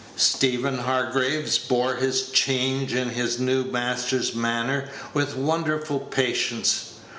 Stephen Hargraves bore this change in his new master's manner with wonderful patience.